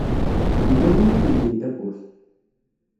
Yella win i yeldin tawwurt.